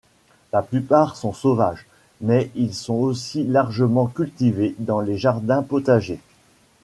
La plupart sont sauvages, mais ils sont aussi largement cultivés dans les jardins potagers.